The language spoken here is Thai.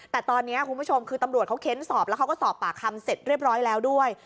แต่ตอนนี้คุณผู้ชมคือตำรวจเขาเค้นสอบแล้วเขาก็สอบปากคำเสร็จเรียบร้อยแล้วด้วย